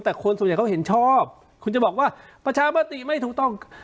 แต่คนส่วนใหญ่เขาเห็นชอบคุณจะบอกว่าประชามติไม่ถูกต้อง